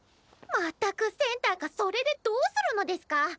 まったくセンターがそれでどうするのデスカ！